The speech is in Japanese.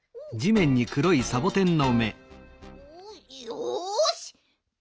よし。